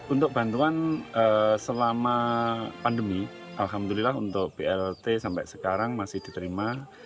untuk bantuan selama pandemi alhamdulillah untuk blt sampai sekarang masih diterima